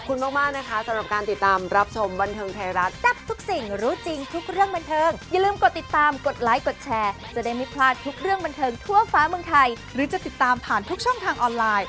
ก็แล้วแต่ความศรัทธาของแต่ละคนไม่เหมือนกันเนอะ